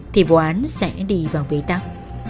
thì vụ án sẽ đi vào bế tắc